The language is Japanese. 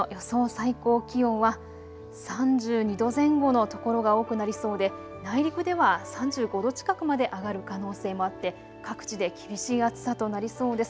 最高気温は３２度前後の所が多くなりそうで内陸では３５度近くまで上がる可能性もあって各地で厳しい暑さとなりそうです。